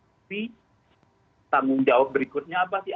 tapi tanggung jawab berikutnya apa sih